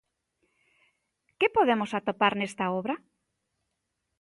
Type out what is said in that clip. Que podemos atopar nesta obra?